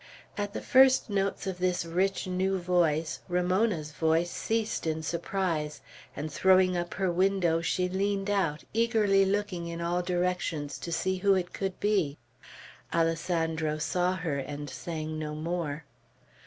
At the first notes of this rich new voice, Ramona's voice ceased in surprise; and, throwing up her window, she leaned out, eagerly looking in all directions to see who it could be. Alessandro saw her, and sang no more.